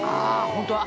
ホントだ。